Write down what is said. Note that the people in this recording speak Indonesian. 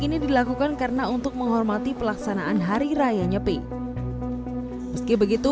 ini dilakukan karena untuk menghormati pelaksanaan hari raya nyepi meski begitu